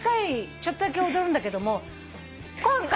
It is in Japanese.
ちょっとだけ踊るんだけども今回は。